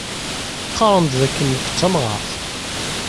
Qqaren-d d akken nekk d tamɣaṛt.